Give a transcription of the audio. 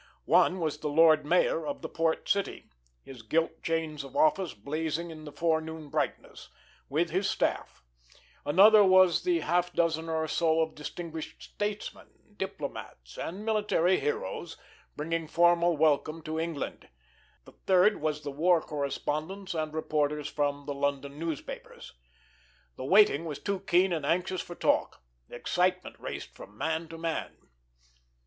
One was the lord mayor of the port city, his gilt chains of office blazing in the forenoon brightness, with his staff; another was the half dozen or so of distinguished statesmen, diplomats, and military heroes bringing formal welcome to England; the third was the war correspondents and reporters from the London newspapers. The waiting was too keen and anxious for talk. Excitement raced from man to man.